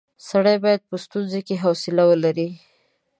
سړی باید په ستونزو کې حوصله ولري.